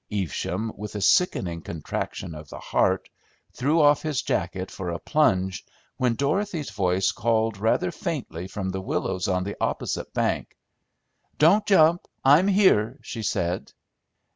Evesham, with a sickening contraction of the heart, threw off his jacket for a plunge, when Dorothy's voice called rather faintly from the willows on the opposite bank. "Don't jump! I'm here," she said.